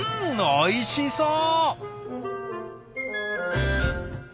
おいしそう！